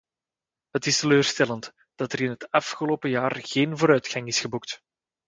Het is teleurstellend dat er in het afgelopen jaar geen vooruitgang is geboekt.